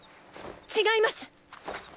違います！